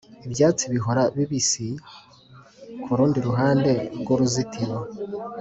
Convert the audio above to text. ibyatsi bihora bibisi kurundi ruhande rwuruzitiro